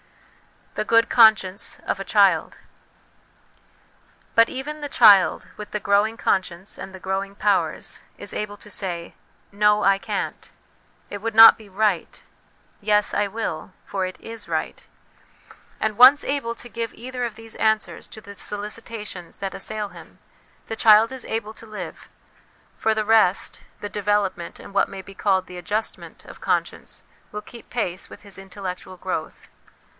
The Good Conscience of a Child. But even the child, with the growing conscience and the growing powers, is able to say, ' No, I can't ; it would not be right' ;' Yes, I will ; for it is right.' And once able to 336 HOME EDUCATION give either of these answers to the solicitations that assail him, the child is able to live ; for the rest, the development, and what may be called the adjustment, of conscience will keep pace with his intellectual growth.